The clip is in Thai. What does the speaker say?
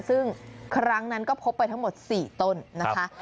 ซึ่งครั้งนั้นก็พบไปทั้งหมด๔ต้นนะคะ